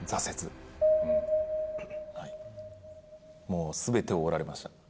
もう全て折られました。